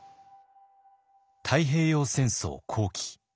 太平洋戦争後期。